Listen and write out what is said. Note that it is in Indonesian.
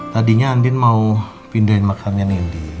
tadinya andin mau pindahin mekamnya nindy